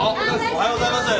おはようございます。